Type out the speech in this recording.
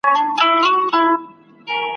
انسان جوړ سو نور تر هر مخلوق وو ښکلی `